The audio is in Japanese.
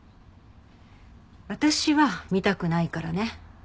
私は見たくないからね。